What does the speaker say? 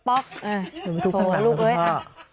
โอ้โฮลูกเอ๊ะ